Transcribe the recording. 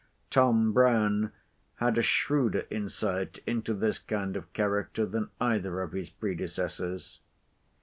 Tom Brown had a shrewder insight into this kind of character than either of his predecessors.